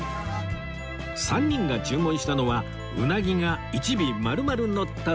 ３人が注文したのはうなぎが一尾丸々のったうな丼